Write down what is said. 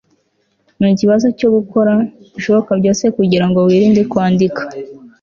ni ikibazo cyo gukora ibishoboka byose kugirango wirinde kwandika